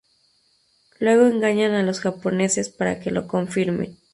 Luego engañan a los japoneses para que lo confirmen.